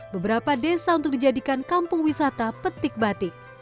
beberapa desa untuk dijadikan kampung wisata petik batik